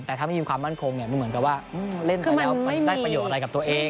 แต่ถ้าไม่มีความมั่นคงมันเหมือนกับว่าเล่นไปแล้วมันได้ประโยชน์อะไรกับตัวเอง